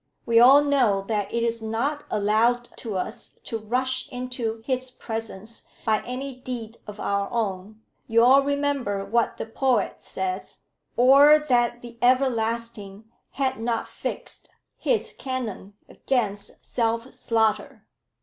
"We all know that it is not allowed to us to rush into His presence by any deed of our own. You all remember what the poet says, 'Or that the Everlasting had not fixed His canon 'gainst self slaughter!'